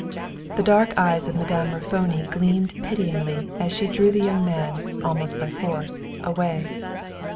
The dark eyes of Madame Raffoni gleamed pityingly as she drew the young man, almost by force, away.